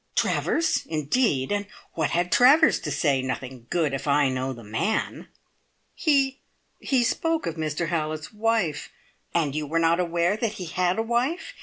"Travers? Indeed! And what had Travers to say? Nothing good, if I know the man." "He he spoke of Mr Hallett's wife " "And you were not aware that he had a wife?